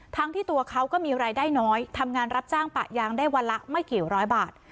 ทั้งที่ตัวเขาก็มีรายได้น้อยทำงานรับจ้างปะยางได้วันละไม่กี่ร้อยบาท